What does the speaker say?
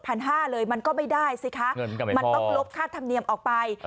พันห้าเลยมันก็ไม่ได้สิคะเงินมันก็ไม่พอมันต้องลบค่าธรรมเนียมออกไป